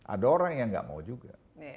ada orang yang nggak mau juga